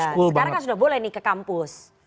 sekarang kan sudah boleh nih ke kampus